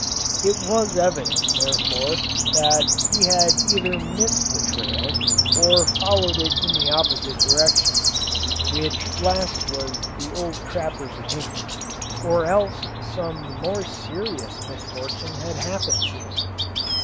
It was evident, therefore, that he had either missed the trail or followed it in the opposite direction (which last was the old trapper's opinion), or else some more serious misfortune had happened to him.